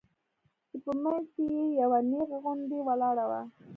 چې په منځ کښې يې يوه نيغه غونډۍ ولاړه وه.